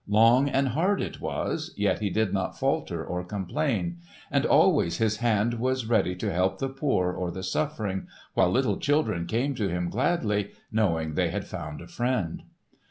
Long and hard it was, yet he did not falter or complain. And always his hand was ready to help the poor or the suffering, while little children came to him gladly knowing they had found a friend.